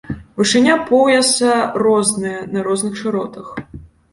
Вышыня пояса розная на розных шыротах.